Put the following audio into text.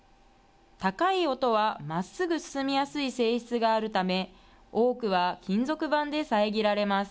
高い音はまっすぐ進みやすい性質があるため、多くは金属板で遮られます。